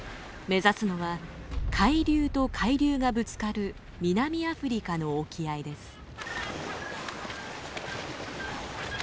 目指すのは海流と海流がぶつかる南アフリカの沖合です。